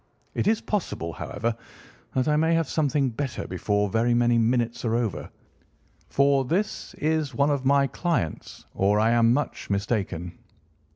It is possible, however, that I may have something better before very many minutes are over, for this is one of my clients, or I am much mistaken."